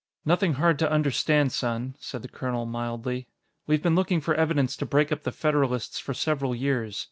"Nothing hard to understand, son," said the colonel mildly. "We've been looking for evidence to break up the Federalists for several years.